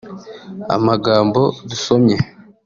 Amagambo dusomye